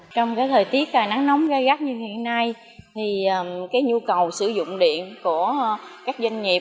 trong thời tiết nắng nóng gai gắt như hiện nay nhu cầu sử dụng điện của các doanh nghiệp